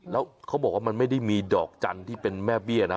แล้วเขาบอกว่ามันไม่ได้มีดอกจันทร์ที่เป็นแม่เบี้ยนะ